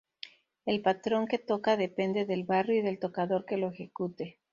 El patrón que toca depende del barrio y del tocador que lo ejecute.